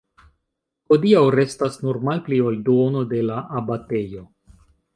Hodiaŭ restas nur malpli ol duono de la abatejo.